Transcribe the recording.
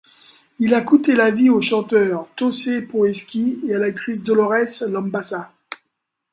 Il a coûté la vie au chanteur Toše Proeski et à l'actrice Dolores Lambaša.